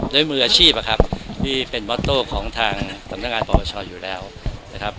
โดยมืออาชีพครับที่เป็นโมโต้ของทางตำนักงานประประชาอยู่แล้วนะครับ